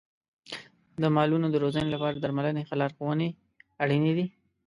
د مالونو د روزنې لپاره د درملنې ښه لارښونې اړین دي.